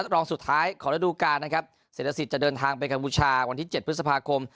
รองสุดท้ายของระดูการนะครับศิลสิทธิ์จะเดินทางไปกัมพูชาวันที่๗พฤษภาคม